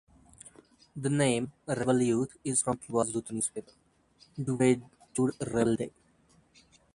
The name "Rebel Youth" is from Cuba's youth newspaper, "Juventud Rebelde".